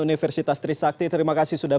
universitas trisakti terima kasih sudah